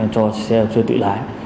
cho xe tự lái